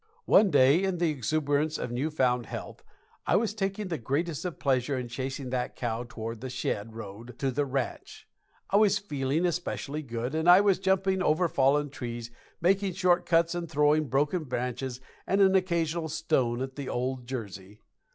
One day, in the exuberance of new found health, I was taking the greatest of pleasure in chasing that cow toward the "shed" road to the ranch. I was feeling especially good, and I was jumping over fallen trees, making short cuts and throwing broken branches and an occasional stone at the old Jersey.